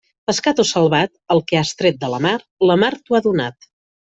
Pescat o salvat, el que has tret de la mar, la mar t'ho ha donat.